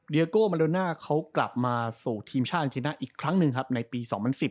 โก้มาโลน่าเขากลับมาสู่ทีมชาติอังทีน่าอีกครั้งหนึ่งครับในปี๒๐๑๐